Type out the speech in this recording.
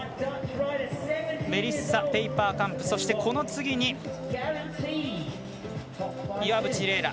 メリッサ・ペイパーカンプそしてこの次に岩渕麗